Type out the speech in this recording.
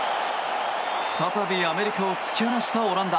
再びアメリカを突き放したオランダ。